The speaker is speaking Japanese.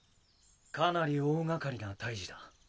かなり大掛かりな退治だ。